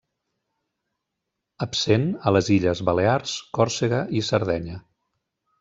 Absent a les illes Balears, Còrsega i Sardenya.